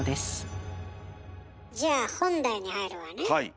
じゃあ本題に入るわね。